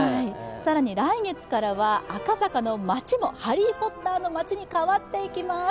更に、来月からは赤坂の街もハリー・ポッターの街に変わっていきます。